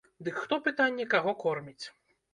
Дык хто, пытанне, каго корміць?